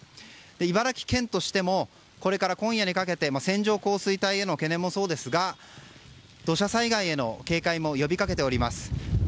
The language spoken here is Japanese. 茨城県としてもこれから今夜にかけて線状降水帯への懸念もそうですが土砂災害への警戒も呼び掛けております。